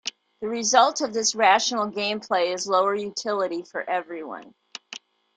The result of this rational game play is lower utility for everyone.